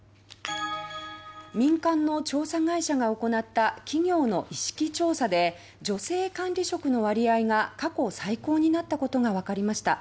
民間の調査会社が行った企業の意識調査で女性管理職の割合が過去最高になったことがわかりました。